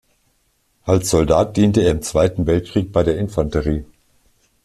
Als Soldat diente er im Zweiten Weltkrieg bei der Infanterie.